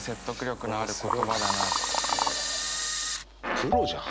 プロじゃん！